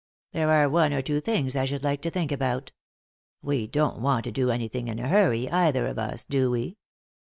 There are one or two things I should like to think about; we don't want to do anything in a hurry, either of us, do we?